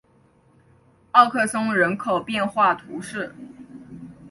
奥克松人口变化图示